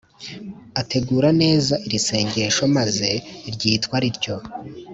ategura neza iri sengesho, maze ryitwa rityo